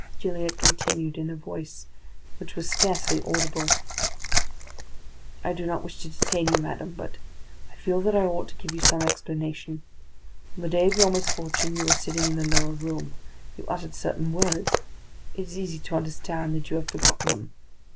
Gilliatt continued, in a voice which was scarcely audible: "I do not wish to detain you, madam, but I feel that I ought to give you some explanation. On the day of your misfortune, you were sitting in the lower room; you uttered certain words; it is easy to understand that you have forgotten them.